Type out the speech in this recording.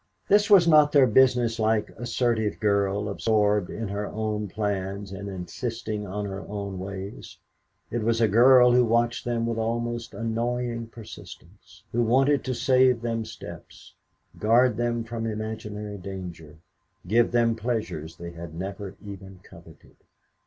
This was not their business like, assertive girl, absorbed in her own plans and insisting on her own ways. It was a girl who watched them with almost annoying persistence, who wanted to save them steps, guard them from imaginary danger, give them pleasures they had never even coveted.